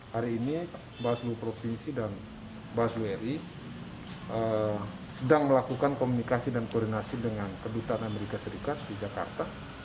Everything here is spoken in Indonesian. hari ini bawaslu provinsi dan bawaslu ri sedang melakukan komunikasi dan koordinasi dengan kedutaan amerika serikat di jakarta